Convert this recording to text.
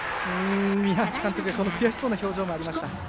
宮秋監督の悔しい表情もありました。